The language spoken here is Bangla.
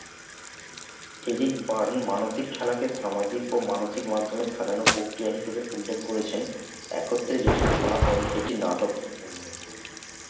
এরিক বার্ন মানসিক খেলাকে সামাজিক ও মানসিক মাধ্যমে সাজানো প্রক্রিয়া হিসেবে উল্লেখ করেছেন একত্রে যেটির ফলাফল একটি নাটকীয় পরিণতি।